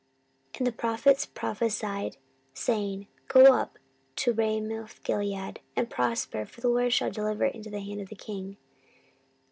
14:018:011 And all the prophets prophesied so, saying, Go up to Ramothgilead, and prosper: for the LORD shall deliver it into the hand of the king.